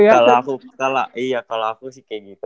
iya kalau aku sih kayak gitu